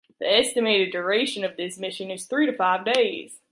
The estimated duration of this mission is three to five days.